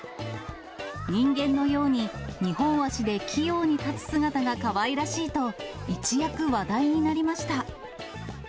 人間のように２本足で器用に立つ姿がかわいらしいと、一躍話題になりました。